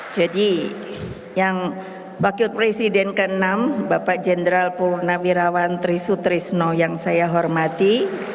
jadi yang wakil presiden ke enam bapak jenderal punawirawan trisutrisno yang saya hormati